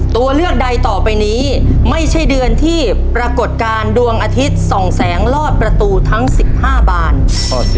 ตัวเลือกใดต่อไปนี้ไม่ใช่เดือนที่ปรากฏการณ์ดวงอาทิตย์๒แสงลอดประตูทั้ง๑๕บาน